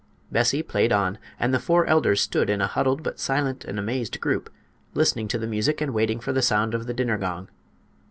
Bessie played on; and the four elders stood in a huddled but silent and amazed group, listening to the music and waiting for the sound of the dinner gong.